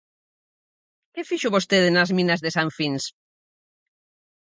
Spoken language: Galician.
¿Que fixo vostede nas minas de San Fins?